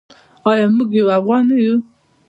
آیا موږ یو افغان نه یو؟